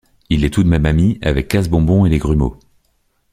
Il est tout de même ami avec Casse bonbon et les grumeaux.